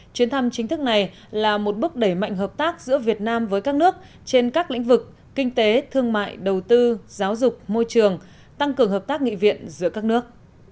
chuyến thăm chính thức này là một bước đẩy mạnh hợp tác giữa việt nam với các nước trên các lĩnh vực kinh tế thương mại đầu tư giáo dục môi trường tăng cường hợp tác nghị viện giữa các nước